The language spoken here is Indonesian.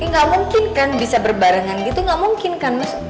ini gak mungkin kan bisa berbarengan gitu gak mungkin kan mas